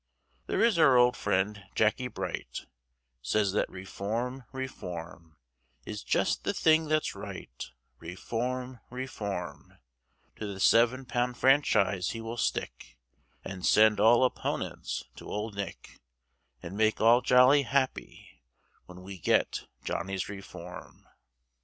There is our old friend Jacky Bright, Says that Reform, Reform, Is just the thing that's right, Reform, Reform; To the seven pound franchise he will stick, And send all opponents to old Nick, And make all jolly happy When we get Johnny's Reform.